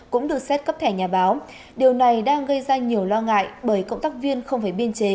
cũng được xét cấp thẻ nhà báo điều này đang gây ra nhiều lo ngại bởi cộng tác viên không phải biên chế